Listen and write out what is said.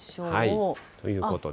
ということで。